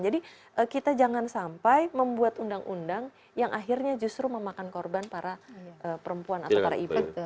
jadi kita jangan sampai membuat undang undang yang akhirnya justru memakan korban para perempuan atau para ibu